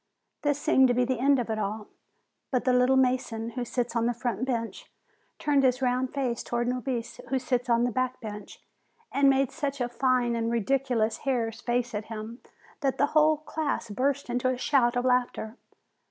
This seemed to be the end of it all; but the "little mason," who sits on the front bench, turned his round face towards Nobis, who sits on the back bench, and made such a fine and ridiculous hare's face at him, that the whole class burst into a shout of laughter.